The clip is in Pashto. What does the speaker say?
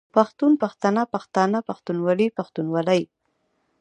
پښتون، پښتنه، پښتانه، پښتونولي، پښتونولۍ